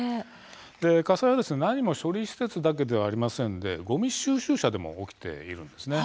火災は何も処理施設だけではありませんでごみ収集車でも起きています。